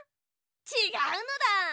ちがうのだ。